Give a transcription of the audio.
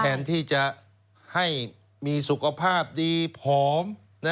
แทนที่จะให้มีสุขภาพดีผอม